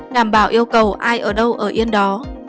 đảm bảo yêu cầu ai ở đâu ở yên đó